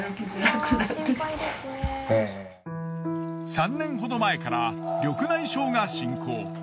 ３年ほど前から緑内障が進行。